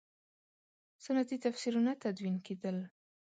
سنتي تفسیرونه تدوین کېدل.